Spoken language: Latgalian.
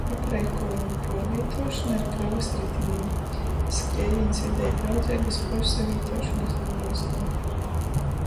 Apreikuojuma puorvītuošona ar kravys ritinim. Skriejīņs videi draudzeigys puorsavītuošonys atbolstam.